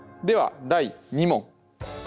では第２問。